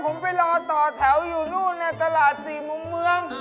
ผมไปรอต่อแถวอยู่นู่นตลาด๔มุมเมือง